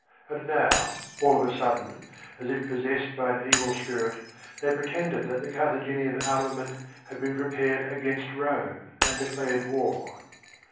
And now all of a sudden, as if possessed by an evil spirit, they pretended that the Carthaginian armament had been prepared against Rome, and declared war.